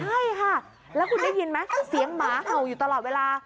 ใช่ค่ะแล้วคุณได้ยินไหมคือเสียงหมาเห่าอยู่ตลอดเวลา